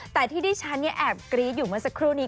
แต่ที่ที่ฉันแอบกรี๊ดอยู่เมื่อสักครู่นี้